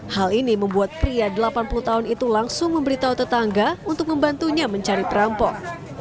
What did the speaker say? hal ini membuat pria delapan puluh tahun itu langsung memberitahu tetangga untuk membantunya mencari perampok